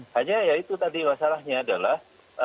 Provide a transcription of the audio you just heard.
hanya ya itu tadi masalahnya adalah